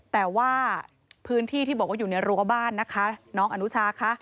แต่ว่าพื้นที่ที่บอกว่าอยู่ในรั้วบ้านนะคะน้องอนุชาคะ